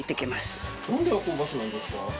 なんで夜行バスなんですか？